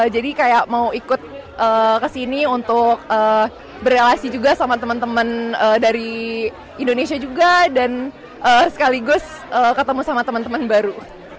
jadi kayak mau ikut kesini untuk berrelasi juga sama teman teman dari indonesia juga dan sekaligus ketemu sama teman teman baru